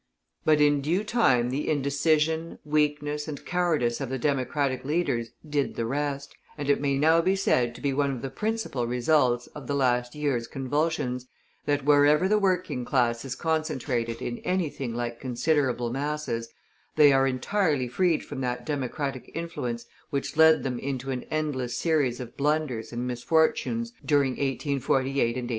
But in due time the indecision, weakness, and cowardice of the Democratic leaders did the rest, and it may now be said to be one of the principal results of the last years' convulsions, that wherever the working class is concentrated in anything like considerable masses, they are entirely freed from that Democratic influence which led them into an endless series of blunders and misfortunes during 1848 and 1849.